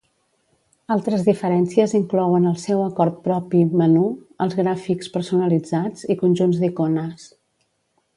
Altres diferències inclouen el seu acord propi menú, els gràfics personalitzats, i conjunts d'icones.